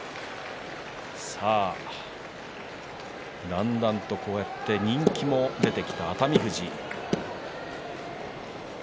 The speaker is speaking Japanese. だんだんと人気も出てきた熱海富士。